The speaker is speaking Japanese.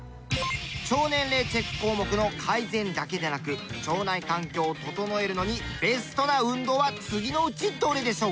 腸年齢チェック項目の改善だけでなく腸内環境を整えるのにベストな運動は次のうちどれでしょう？